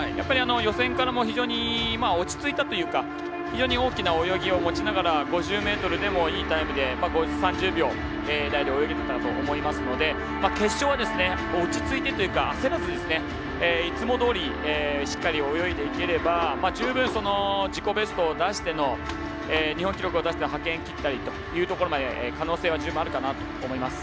予選から落ち着いたというか非常に大きな泳ぎを持ちながら５０ｍでも、いいタイムで３０秒台で泳いでいたと思いますので決勝は落ち着いてというか焦らず、いつもどおりしっかり泳いでいければ十分、自己ベストを出しての日本記録を出しての派遣を切ったりというところまで可能性が十分あると思います。